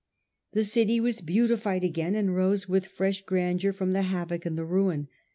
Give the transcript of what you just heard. The city was beautified again, and rose with fresh grandeur from the havoc and the ruin.